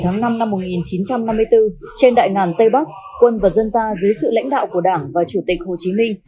ngày tháng năm năm một nghìn chín trăm năm mươi bốn trên đại ngàn tây bắc quân và dân ta dưới sự lãnh đạo của đảng và chủ tịch hồ chí minh